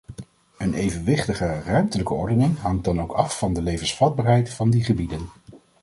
Een evenwichtige ruimtelijke ordening hangt dan ook af van de levensvatbaarheid van die gebieden.